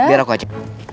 biar aku aja